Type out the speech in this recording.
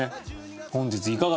本日いかがでしたか？